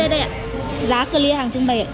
đây đây đây ạ giá clear hàng trưng bày